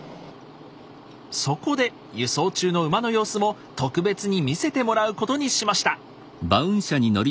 そこで輸送中の馬の様子も特別に見せてもらうことにしました。